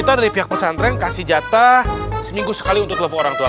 nanti di belakang ustadz atau di belakang ustazah